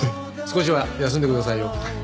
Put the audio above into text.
少しは休んでくださいよ。